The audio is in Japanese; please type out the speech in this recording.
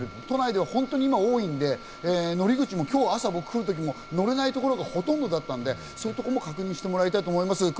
都内では今、本当に多いので乗り口も今日朝、僕来るときに乗れないところがほとんどだったので、そういうところも確認してもらいたいと思います。